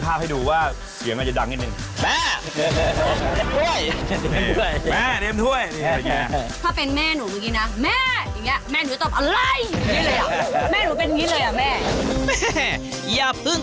แฟนอยู่ที่นั่นใช่ไหมคะพี่กุ๊ก